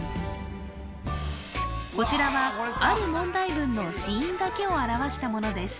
こちらはある問題文の子音だけを表したものです